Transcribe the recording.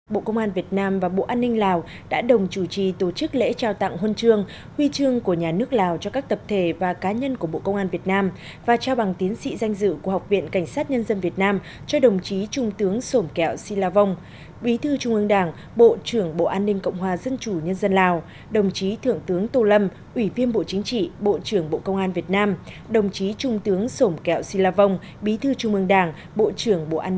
bộ công an việt nam và bộ an ninh lào đã đồng chủ trì tổ chức lễ trao tặng hôn trương huy trương của nhà nước lào cho các tập thể và cá nhân của bộ công an việt nam và trao bằng tiến sĩ danh dự của học viện cảnh sát nhân dân việt nam cho đồng chí trung tướng sổm kẹo si la vong bí thư trung ương đảng bộ trưởng bộ an ninh cộng hòa dân chủ nhân dân lào đồng chí thượng tướng tô lâm ủy viên bộ chính trị bộ trưởng bộ công an việt nam đồng chí trung tướng sổm kẹo si la vong bí thư trung ương đảng bộ trưởng bộ an